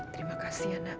terima kasih anak